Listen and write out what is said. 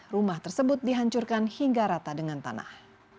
rumah tersebut dihancurkan hingga rata dengan tanah